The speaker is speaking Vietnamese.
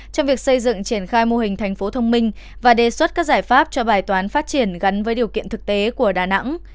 trong việc xây dựng triển khai mô hình tp đà nẵng và đề xuất các giải pháp cho bài toán phát triển gắn với điều kiện thực tế của đà nẵng